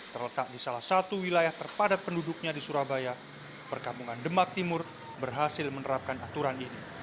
terletak di salah satu wilayah terpadat penduduknya di surabaya perkampungan demak timur berhasil menerapkan aturan ini